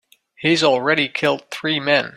He's already killed three men.